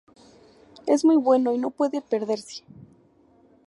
Es muy bueno y no puede perderse".